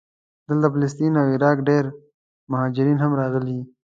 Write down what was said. دلته د فلسطین او عراق ډېر مهاجرین هم راغلي.